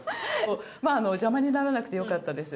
邪魔にならなくてよかったです。